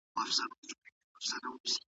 الله اکبر، الله اکبر ، الله اکبر، الله اکبر